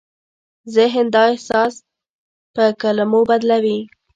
ذهن دا احساس په کلمو بدلوي.